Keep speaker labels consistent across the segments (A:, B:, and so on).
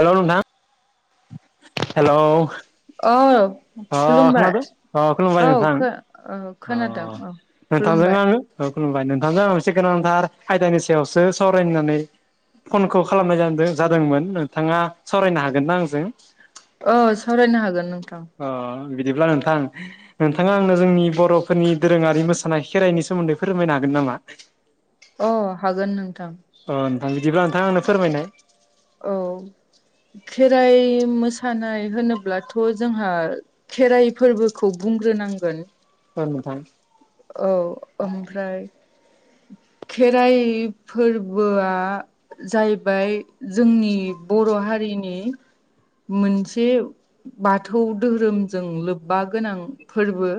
A: हेल' नोंथां हेल'
B: अ
A: अ खोनादों अ खुलुमबाय नोंथां
B: खो ओ
A: अ
B: खोनादों औ
A: नोंथांजों
B: खुलुमबाय
A: आङो औ खुमाय नोंथां जाहांसै गोनांथार आयदानि सायावसो सावरायनो होननानै फनखौ खालामनाय जादों जादोंमोन नोंथाङा सावरायनो हागोनना आंजों?
B: औ सावरायनो हागोन नोंथां
A: अ बिदिब्ला नोंथां नोंथाङा आंनो जोंनि बर'फोरनि दोरोङारि मोसानाय खेराइनि सोमोन्दै फोरमायनो हागोन नामा?
B: अ हागोन नोंथां
A: अ नोंथां बिदिब्ला नोंथां आंनो फोरमायनाय
B: औ खेराइ मोसानाय होनोब्लाथ' जोंहा खेराइ फोरबोखौ बुंग्रोनांगोन
A: ओं नोंथां
B: औ ओमफ्राय खेराइ फोरबोआ जाहैबाय जोंनि बर' हारिनि मोनसे बाथौ धोरोमजों लोब्बा गोनां फोरबो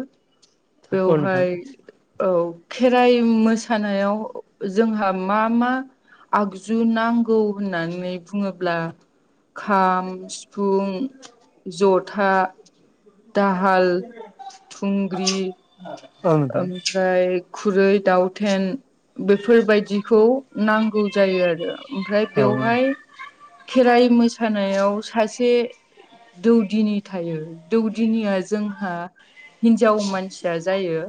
A: औ नोंथां
B: बेवहाय औ खेराइ मोसानायाव जोंहा मा मा आगजु नांगौ होननानै बुङोब्ला खाम सिफुं जथा दाहाल थुंग्रि
A: ओं नोंथां।
B: ओमफ्राय खुरै दाउथेन बेफोरबायदिखौ नांगौ जायो आरो ओमफ्राय
A: औ
B: बेवहाय खेराइ मोसानायाव सासे दौदिनि थायो दौदिनिया जोंहा हिन्जाव मानसिया जायो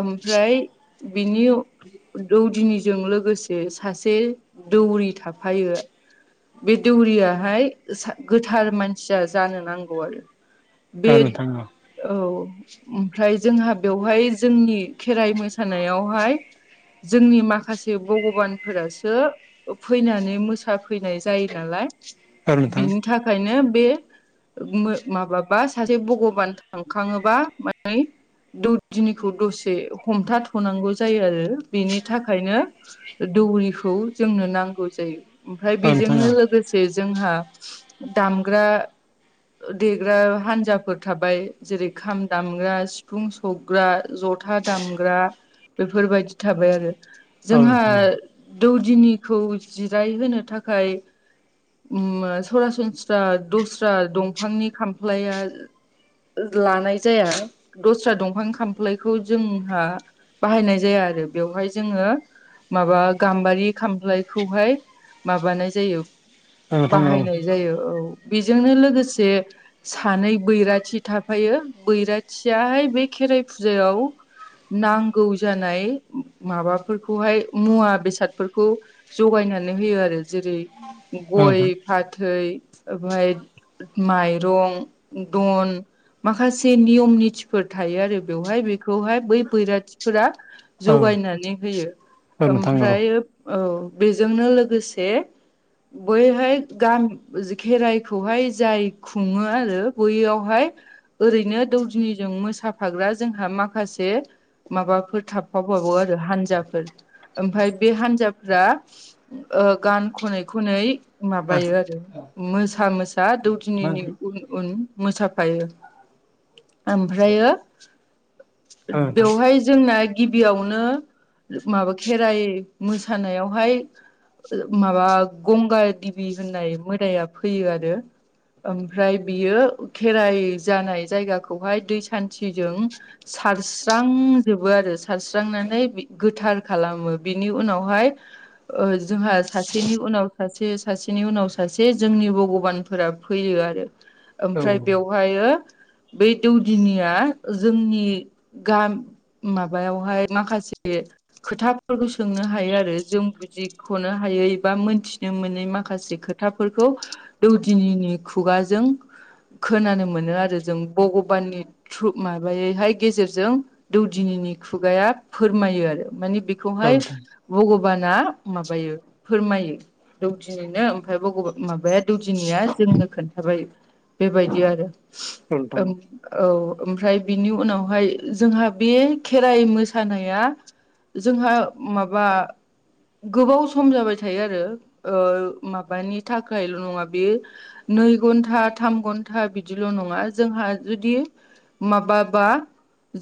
B: ओमफ्राय बिनि
A: [inaudible]
B: दौदिनिजों लोगोसे सासे दौरि थाफायो बे दौरियाहाय सा गोथार मानसिया जानो नांगौ आरो।
A: औ
B: बे
A: नोंथां औ
B: औ ओमफ्राय जोंहा बेवहाय जोंनि खेराइ मोसानायावहाय जोंनि माखासे भगबानफोरासो ओ फैनानै मोसाफैनाय जायो नालाय
A: औ नोंथां
B: बिनि थाखायनो बे मो माबाबा सासे भगबान थांखाङोबा मान दौनि खौ दसे हमथाथनांगौ जायो आरो बेनि थाखायनो दौरिखौ जोंनो नांगौ जायो ओमफ्राय
A: औ नोंथां
B: बेजोंनो
A: औ
B: लोगो से जोंहा दामग्रा देग्रा हानजाफोर थाबाय जेरै खाम दामग्रा सिफुं सुग्रा। जथा दामग्रा बेफोरबायदि थाबाय आरो
A: औ
B: जोंहा
A: नोंथां औ
B: दौदिनिखौ जिरायहोनो थाखाय उम सरासनस्रा दस्रा दंफांनि खामफ्लाया लानाय जाया दस्रा दंफां खाम फ्लायखौ जोंहा बाहायनाय जाया आरो बेवहाय जोङो माबा गाम्बारि खामफ्लायखौहाय माबानाय जायो
A: औ नोंथां औ
B: बाहायनाय जायो औ बेजोंनो लोगोसे सानै बैराथि थाफायो बैराथियाहाय बे खेराइ फुजायाव नांगौ जानाय माबाफोरखौहाय मुवा बेसादफोरखौ जगायनानै होयो आरो जेरै
A: औ
B: गय
A: नोंथां
B: फाथै ओमफाय माइरं दन माखासे नियम नितिफोर थायो आरो। बेवहाय बेखौहाय बै बैराथिफोरा
A: औ
B: जगायनानै होयो
A: औ नोंथां
B: ओमफ्राय औ बेजोंनो लोगोसे बैहाय गाम खेराइखौहाय जाय खुङो आरो बैयावहाय ओरैनो दौदिनिजों मोसाफाग्रा जोंहा माखासे माबाफोर थाफाबावो आरो हानजाफोर। ओमफाय बे हान्जाफ्रा ओ गान खनाय खनै
A: मा ओंख्रि
B: माबायो आरो मोसा मोसा
A: मा
B: दौदिनिनि
A: ओंख्रि
B: उन उन मोसाफायो ओमफ्रायो
A: औ नोंथां
B: बेवहाय जोंना गिबियावनो माबा खेराइ मोसानायावहाय माबा गंगा देबि होननाय मोदाया फैयो आरो। ओमफ्राय बियो खेराइ जानाय जायगाखौहाय दै सान्थिजों सारस्रांजोबो आरो सारस्रांनानै बि गोथार खालामो बिनि उनावहाय ओ जोंहा सासेनि उनाव सासे सासेनि उनाव सासे जोंनि भगबान फोरा फैयो आरो
A: औ
B: ओमफ्राय बेवहाय बै दौदिनिया जोंनि गाम माबायावहाय माखासे खोथाफोरखौ सोंनो हायो आरो जों बुजिख'नो हायै बा मोनथिनो मोनै माखासे खो थाफोरखौ दौदिनिनि खुगाजों खोनानो मोनो आरो जों भगबाननि थ्रु माबायैहाय गेजेरजों दौदिनिनि खुगाया फोरमायो आरो मानि खौहाय
A: नोंथां
B: भगबाना माबायो फोरमायो। दौदिनिनो ओमफ्राय भग'वान माबाया दौदिनिया जोंनो खोन्थाबाय। बेबायदि आरो औ ओमफ्राय बिनि उनावहाय जोंहा बे खेराइ मोसानाया जोंहा माबा गोबाव सम जाबाय थायो आरो ओ माबानि थाखायल' नङा बे नै घन्टा थाम घन्टा बिदिल' नङा जोंहा जुदि माबा बा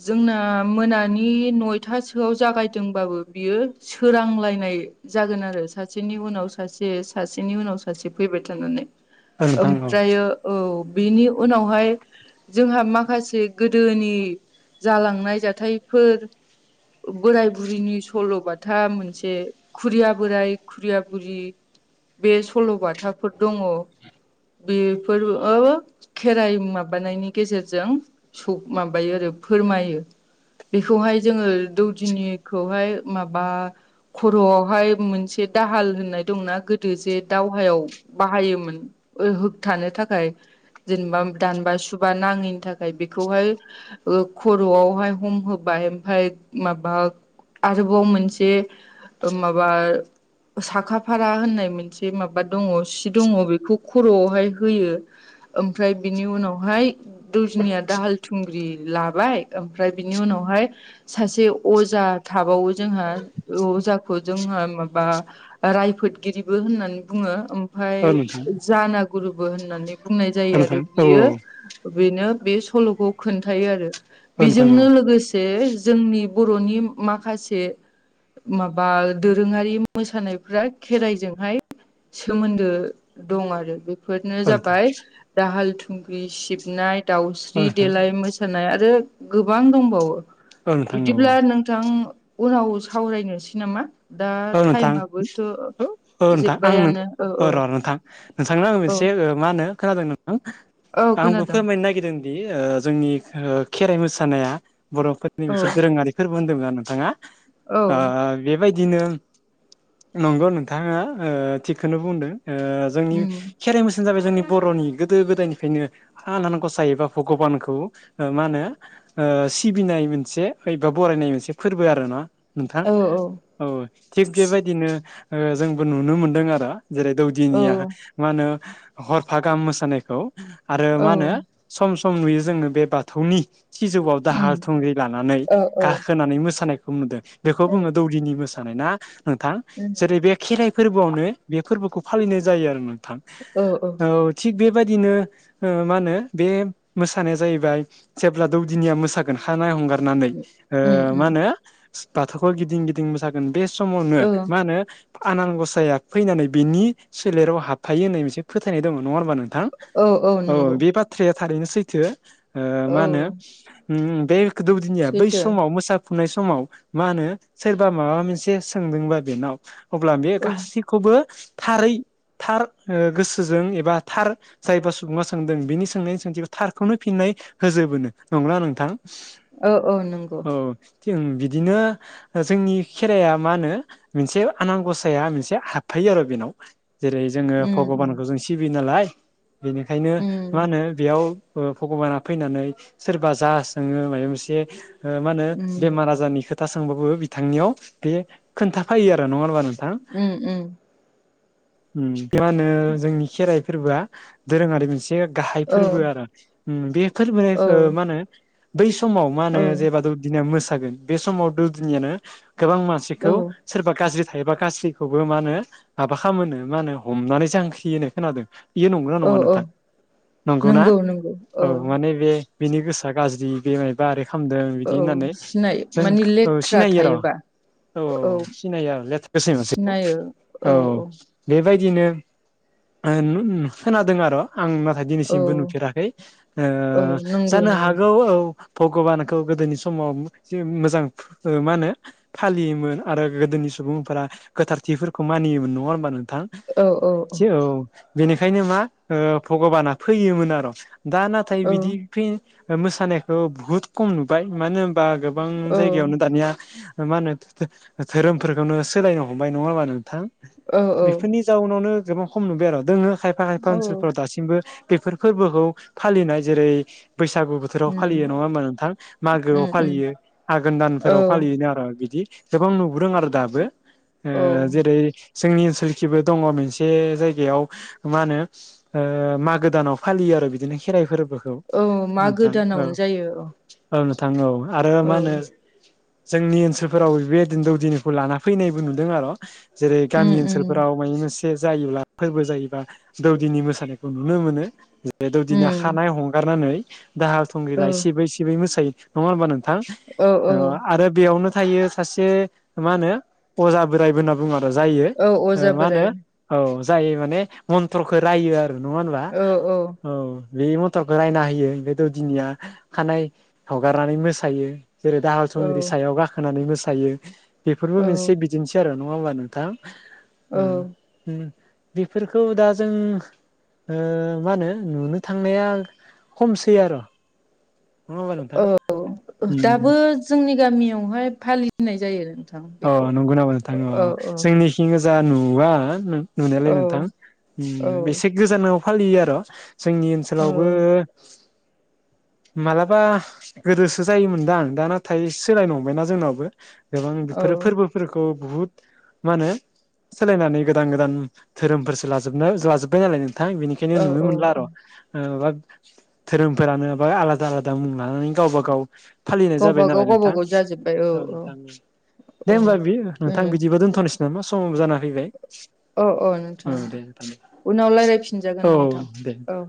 B: जोंना मोनानि नयथासोआव जागायदोंबाबो बियो सोरांलायनाय जागोन आरो सासेनि उनाव सासे सासेनि उनाव सासे फैबाय थानानै
A: औ नोंथां औ नोंथां औ
B: ओमफ्रायो औ बिनि उनावहाय जोंहा माखासे गोदोनि जालांनाय जाथायफोर बोराय बुरैनि सल'बाथा मोनसे खुरिया बोराय खुरिया बुरि बे सल'बाथाफोर दङ बेफोर खेराइ माबानायनि गेजेरजों स माबायो आरो फोरमायो बेखौहाय जोङो दौदिनिखौहाय माबा खर'आवहाय मोनसे दाहाल होननाय दंना गोदो जे दावहायाव बाहायोमोन होबथानो थाखाय जेनेबा दानबा सुबा नाङैनि थाखाय ओमफ्राय बेखौहाय खर'आवहाय हम होबाय ओमफफ्राय माबा आरोबाव मोनसे माबा साखाफारा होननाय मोनसे माबा दङ सि दङ बेखौ खर'आवहाय होयो ओमफ्राय बिनि उनावहाय जुनिया दाहाल थुंग्रि लाबाय ओमफ्राय बिनि उनावहाय सासे अजा थाबावो जोंहा अजाखौ जोंहा माबा रायफोदगिरिबो होननानै बुङो ओमफाय
A: औ नोंथां
B: जानागुरुबो होननानै बुंनाय
A: औ
B: जायो
A: नोंथां
B: आरो
A: औ
B: बियो बेनो बे सल'खौ खोन्थायो आरो
A: औ नोंथां औ
B: बेजोंनो लोगोसे जे जोंनि बर'नि माखासे माबा दोरोङारि मोसानायफ्रा खेराइजोंहाय सोमोन्दो दं आरो बे बेफोरनो जाबाय दाहाल थुंग्रि सिबनाय दाउस्रि देलाय मोस आरो गोबां दंबावो बिदिब्ला नों उनाव सावरायनोसै नामा दा
A: औ नोंथां
B: टाइमाबोथ'
A: औ नोंथां आं
B: जोब्बायानो औ औ
A: र' नोंथां नोंथांनो आं मोनसे
B: औ
A: मा होनो खोनादों नोंथां
B: औ
A: आंबो
B: खोनादों
A: फोरमायनो नागिरदों जोंनि खेराइ मोसानाया बर'फोरनि
B: औ
A: मोनसे दोरोङारि फोरबो होन्दों ज नोंथाङा
B: औ
A: बेबायदिनो नंगौ नोंथाङा थिगखौनो बुंदों जोंनि
B: उम
A: खेराइ मोसोन जाबाय जोंनि बर'नि गोदो गोदायनिफ्रायनो हानान गसाय एबा भगबानखौ मा होनो ओ सिबिनाय मोनसेबा बरायनाय मोनसे फोरबो आरो ना नोंथां
B: औ
A: औ थिग बेबायदिनो जोंबो नुनो मोनदों आरो जेरै
B: औ
A: दौदिनिया मा होनो हरफ गाहाम मोसानायखौ आरो
B: औ
A: मा होनो सम सम नुयो जोङो बे बाथौनि सिजौआव
B: उम
A: दाहाल थुंग्रि लानानै
B: औ औ
A: गाखोनानै मोसानायखौ नुदों बेखौ
B: उम
A: बुङो दौदिनि मोस नाय ना नोंथां
B: उम
A: जेरै बे खेराइ फोरबोआवनो बे फोरबोखौ फालिनाय जायो आरो नोंथां
B: अ औ
A: औ थिग बेबायदिनो मा होनो बे मोसानाया जाहैबाय जेब्ला दौदिनिया मोसागोन खानाय हंगार नानै ओ
B: उम
A: मा
B: उम
A: होनो बाथौखौ गिदिं गिदिं मोसा बे समावनो
B: औ
A: मा होनो आनान गसाया फैनानै बेनि सोलेराव हाबथायो होननाय मोनसे फोथायनाय दङ नङा होनोमबा नोंथां। औ बे बाथ्राया थारैनो सैथो मा
B: औ
A: होनो बे गोदौदिनिया बै
B: सैथो
A: समाव मोसाफुनाय समाव मा होनो सोरबा माबा मोनसे सोंदोंबा बेनाव अब्ला बे
B: औ
A: गासैखौबो थारै थार गोसोजों एबा थार जायबा सुबुङा सोंदों बिनि सोंनायनि सोंथि थारखौनो फिननाय होजोबोनो नंगौना नोंथां।
B: औ औ नंगौ।
A: औ ओं बिदिनो जोंनि खेराइाया मा होनो मोनसे आनान गसाया मोनसे हाबफायो आरो बेनाव जेरै जोङो
B: उम
A: भगबानखौ जों सिबियो नालाय बेनिखायनो मा
B: उम
A: होनो बेयाव भगबाना फैनानै सोरबा जा सोङो माबा मोनसे मा होनो
B: उम
A: बेमार आजारनि खोथा सोंबाबो बिथांनियाव बे खोन्थाफायो आरो नङा होनोमबा नों
B: उम-उम
A: मा होनो जोंनि खेराइ फोरबोआ दोरोङारि मोनसे गाहाय
B: औ
A: फोरबो आरो। बेफोरबो
B: औ
A: मा होनो बै समाव मा
B: औ
A: होनो जेबा दौदिनिया मोसागोन बे समाव दौदिनियानो गोबां
B: औ
A: मानसिखौ सोरबा गाज्रि थायोबा गाज्रिखौबो मा होनो माबा खामो मा होनो हमनानै जांख्रियोनो खोनादों? बेयो नंगौना
B: औ
A: नङा
B: औ
A: नोंथां नंगौना
B: नंगौ नंगौ
A: औ माने बे बेनि गोसोआ गाज्रि बेमाइ बारै खालामदों
B: औ
A: बिदि होननानै
B: सिनायो
A: जों
B: मानि
A: औ
B: लेथ्रा
A: सिनायो र'
B: थायोबा
A: औ औ सिनायो आरो
B: सिनायो
A: [unintelligible] औ बेबायदिनो खोनादों आरो आं नाथाय
B: औ
A: दिनैसिमबो नुफेराखै
B: औ नंगौ
A: जानो
B: नंगौ
A: हागौ औ भगबानखौ गोदोनि समाव जि मोजां मा होनो फालियोमोन आरो गोदोनि सुबुंफोरा गोथारथिफोरखौ मानियोमोन नङा होनबा नोंथां औ बेनिखायनो मा भगबाना फैयोमोन आरो। दा नाथाय बिदि फै मोसानायखौ बुहुत खम नुबाय मानो होनबा गोबां
B: औ
A: जायगायावनो दानिया मा होनो धोरोमफोरखौनो सोलायनो हमबाय नङा होनोमबा नोंथां?
B: औ औ
A: बेफोरनि जाउनावनो गोबां खम नुबाय आरो दोङो खायफा खायफा
B: औ
A: ओनसोलफोराव दासिम बो बेफोर फोरबोखौ फालिनाय जेरै बैसागु बो बोथोराव फालियो
B: उम
A: नङा होमबा नोंथां मागोआव
B: उम उम
A: फालियो। आघोन
B: औ
A: दानफोराव फालियोन आरो बिदि गोबां नुबोदों आरो दाबो
B: औ
A: जेरै जोंनि थिंबो दङ मोनसे जायगायाव मा होनो मागो दानाव फालियो आरो बिदिनो खेराइ फोरबोखौ
B: औ मा
A: नोंथां औ
B: गोदानावनो जायो।
A: औ नोथां औ आरो
B: औ
A: मा होनो जोंनि ओनसोलफोराव बेबायदिनो दौदिनिखौ लाना फैनायबो नुदों आरो
B: उम
A: जेरै--गामि ओनसोल
B: उम
A: फ्राव माने जायोबा फोरबो जायोबा दौदिनि मोसानायखौ नुनो मोनो। बे दौदिनो
B: उम
A: हानाय हंगारनानै दाहाल
B: औ
A: थुंग्रिला सिबै सिबै मोसायो। नङा होमबा नोंथां
B: औ
A: आरो बेयावनो थायो। सासे मा होनो अजा बोराइबो होनना बुङो आरो जायो।
B: औ अजा
A: मा होनो
B: बोराय
A: औ जाय माने मन्थ्र'खौ रायो आरो नङा होनबा?
B: औ
A: औ बे मथरखौ रायना होयो बेम दौदिनिया खानायाइ हगारनानै मोसायो। जेरै दाहाल
B: औ
A: थुंग्रि सायाव गाखोनानै मोसायो बेफोरबो
B: औ
A: मोनसे बिदिनोसै आरो नङा होमबा नोंथा?
B: औ
A: बेफोरखौ दा जों ओ मा होनो नुनो थांनाया खमसै आरो। नङा होनबा
B: दाबो
A: नोंथां?
B: जोंनि गामियावहाय फालिनाय जायो।
A: अ
B: बेखौ
A: नंगौ नामा नोंथां
B: औ औ
A: जोंनि [unintelligible] गोजा नुवा नुनायालाय
B: औ
A: नोंथां
B: औ
A: बेसे गोजानावाव फालियो आरो' जोंनि ओनसोलावबो
B: औ
A: मालाबा गोदोसो जायोमोनदां दाना नाथाय सोलायनो हंबायना जोंनावबो गोबां बेफोरो
B: औ
A: फोरबो फोरखौ बुहुत मा होनो सोलायनानै गोदान गोदान धोरोमफोरसो लाजोबनो लाजोबबाय नालाय नोंथां बेनिखायनो
B: औ
A: नुनो मोनला
B: औ
A: आरो। ओधोरोमफोरानो बा आलादा आलादा मुं लानानै गावबा- गाव फालिनाय जाबाय
B: गावबागाव
A: नालाय नोंथां
B: गावबागाव जाजोब्बाय
A: औ
B: औ
A: नोंथां। दे
B: औ
A: होमबा बियो नोंथां
B: बेनो
A: बिदिबा दोनथ'नोसै नामा समाव जाना फैबाय। औ दे
B: उनाव रायज्लायफिनजागोन
A: औ
B: नोंथां
A: दे
B: औ